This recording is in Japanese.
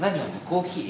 コーヒー？